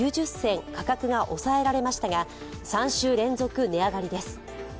価格が抑えられましたが３週連続、値上がりです。